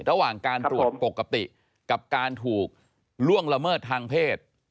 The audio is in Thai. ระหว่างการตรวจปกติกับการถูกล่วงละเมิดทางเพศ